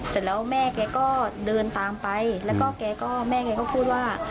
เสร็จแล้วแม่แกก็เดินตามไปแล้วก็แกก็แม่แกก็พูดว่า